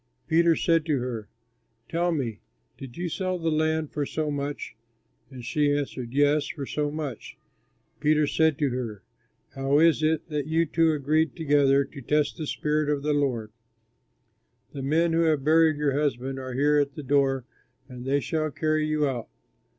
Peter said to her, "Tell me, did you sell the land for so much?" And she answered, "Yes, for so much." Peter said to her, "How is it that you two agreed together to test the Spirit of the Lord? The men who have buried your husband are here at the door and they shall carry you out."